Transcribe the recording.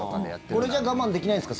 これじゃ我慢できないんですか？